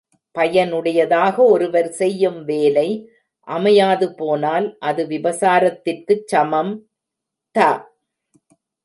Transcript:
பயனுடையதாக ஒருவர் செய்யும் வேலை அமையாதுபோனால், அது விபசாரத்திற்குச் சமம். த